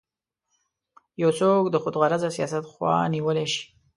یو څوک د خودغرضه سیاست خوا نیولی شي.